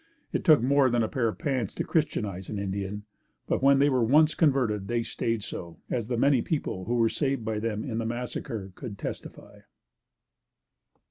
It took more than a pair of pants to Christianize an Indian, but when they were once converted, they stayed so, as the many people who were saved by them in the massacre could testify.